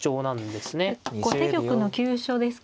後手玉の急所ですか。